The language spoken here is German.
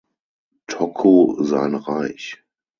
Tocco sein Reich.